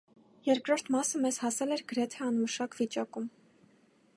Երկրորդ մասը մեզ հասել էր գրեթե անմշակ վիճակում։